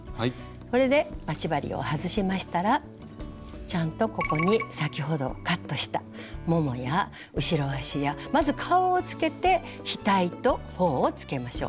これで待ち針を外しましたらちゃんとここに先ほどカットしたももや後ろ足やまず顔をつけて額とほおをつけましょう。